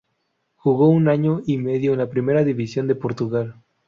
Jugó un año y medio en la Primera División de Portugal.